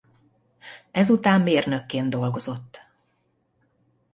Ez után mérnökként dolgozott.